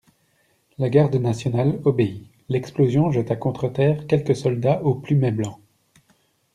La garde nationale obéit: l'explosion jeta contre terre quelques soldats au plumet blanc.